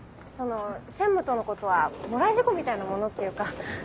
その専務とのことはもらい事故みたいなものっていうか。